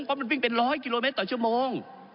เพราะมันวิ่งเป็น๑๐๐กิโลเมตรต่อชั่วโมง